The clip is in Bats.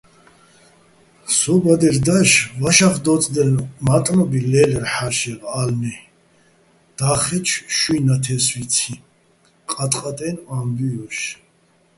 სო ბადერ დაშ ვაშა́ხდო́წდაჲლნუჲ მა́ტნობი ლე́ლერ ჰ̦ა́შეღ ა́ლნი და́ხეჩო შუჲ ნათე́სვიციჼ ყატყატეჲნო̆ ა́მბუჲ ჲოშ.